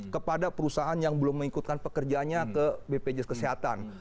kepada perusahaan yang belum mengikutkan pekerjanya ke bpjs kesehatan